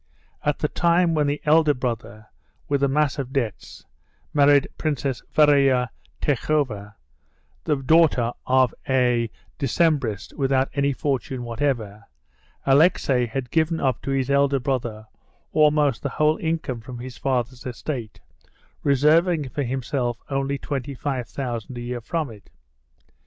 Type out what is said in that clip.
At the time when the elder brother, with a mass of debts, married Princess Varya Tchirkova, the daughter of a Decembrist without any fortune whatever, Alexey had given up to his elder brother almost the whole income from his father's estate, reserving for himself only twenty five thousand a year from it.